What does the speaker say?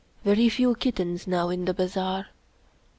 Very few kittens now in the bazaar.